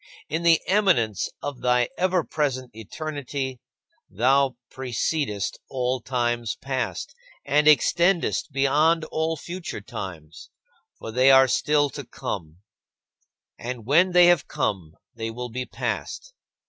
In the eminence of thy ever present eternity, thou precedest all times past, and extendest beyond all future times, for they are still to come and when they have come, they will be past.